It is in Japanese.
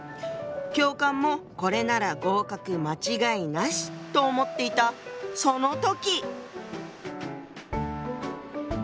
教官もこれなら合格間違いなしと思っていたその時！